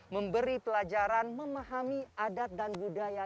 memberi pelajaran memahami adat dan budaya